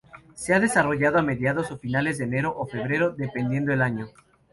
Se ha desarrollado a mediados o finales de enero o febrero, dependiendo el año.